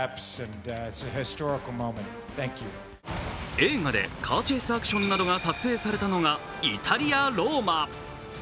映画でカーチェイスアクションなどが撮影されたのが、イタリア・ローマ。